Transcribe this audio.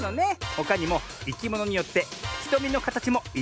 ほかにもいきものによってひとみのかたちもいろいろなんだね。